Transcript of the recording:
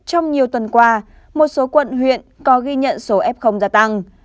trong nhiều tuần qua một số quận huyện có ghi nhận số f gia tăng